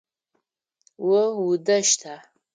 О удэщта?